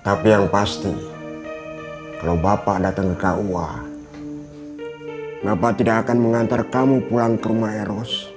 tapi yang pasti kalau bapak datang ke kua napa tidak akan mengantar kamu pulang ke rumah eros